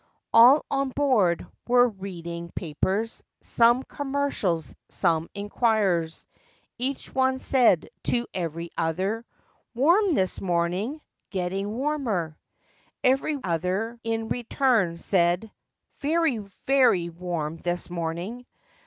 All on board were reading papers— Some "Commercials," some "Enquirers." Each one said to every other: "Warm, this morning—getting warmer!" FACTS AND FANCIES. 9 Every other, in return, said : "Very, very warm this morning!"